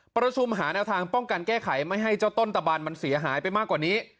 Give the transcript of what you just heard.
ประชุมหาแนวทางป้องกันแก้ไขไม่ให้เจ้าต้นตะบันมันเสียหายไปมากกว่านี้